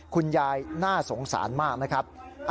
คุณยายน่าสงสารมากนะครับ